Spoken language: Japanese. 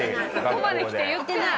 ここまできて言ってない。